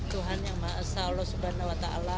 tuhan yang maha esa allah subhanahu wa ta'ala